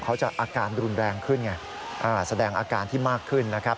อาการรุนแรงขึ้นไงแสดงอาการที่มากขึ้นนะครับ